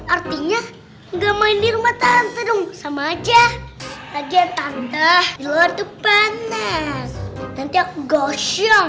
artinya enggak main di rumah tante dong sama aja bagian tante luar tuh panas nanti aku gosyuk